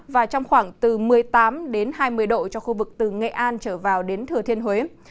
và trong khoảng từ một mươi tám hai mươi độ cho khu vực từ nghệ an trở vào đến thừa thiên huế